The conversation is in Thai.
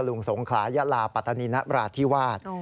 พระธรุงงษลงคลายะลาปัตนีระวราธิวาส